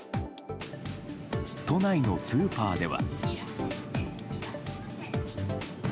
都内のスーパーでは。